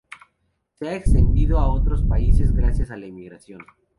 Se ha extendido a otros países gracias a la emigración.